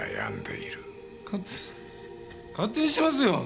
かつ勝手にしますよ！